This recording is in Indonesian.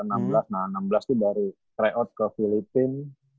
nah enam belas tuh dari try out ke filipina